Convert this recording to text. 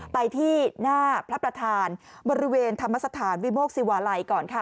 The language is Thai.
ไปที่หน้าพระประธานบริเวณธรรมสถานวิโมกศิวาลัยก่อนค่ะ